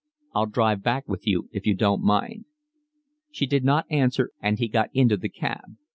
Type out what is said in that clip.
"I'll drive back with you if you don't mind." She did not answer, and he got into the cab.